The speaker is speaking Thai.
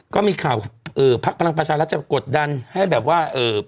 ก็มีข่าวเออภารกิจกรรมพลังประชาลักษมณะจะกดดันให้แบบว่าเออ